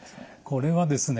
これはですね